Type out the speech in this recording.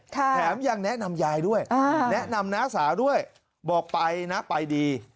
แถมยังแนะนำยายด้วยแนะนำน้าสาวด้วยบอกไปนะไปดี